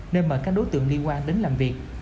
nên mời các đối tượng liên quan đến làm việc